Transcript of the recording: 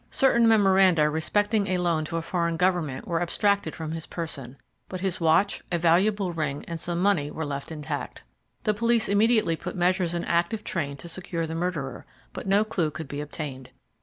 Certain memoranda respecting a loan to a foreign Government were abstracted from his person, but his watch, a valuable ring, and some money were left intact. The police immediately put measures in active train to secure the murderer, but no clue could be obtained.